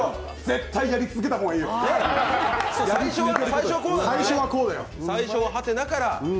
絶対やり続けたほうがいいよ、最初はこうだよ。